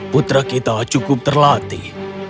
putra kita cukup terlatih